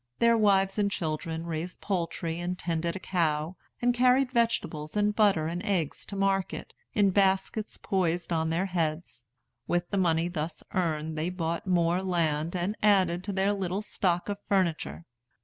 Their wives and children raised poultry and tended a cow, and carried vegetables and butter and eggs to market, in baskets poised on their heads. With the money thus earned they bought more land and added to their little stock of furniture.